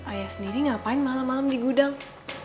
ayah sendiri ngapain malam malam di gudang